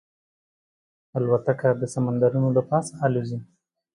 الوتکه د سمندرونو له پاسه الوزي.